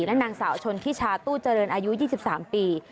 และนางสาวชนทิชาตู้เจริญอายุ๒๓ปี